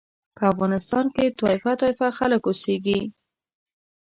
په افغانستان کې طایفه طایفه خلک اوسېږي.